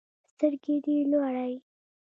سترګي دي لوړی